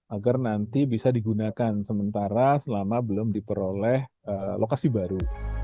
agar nanti bisa digunakan sementara selama belum diperoleh lokasi baru